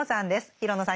廣野さん